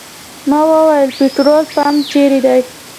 ما وویل پټرول پمپ چېرې دی.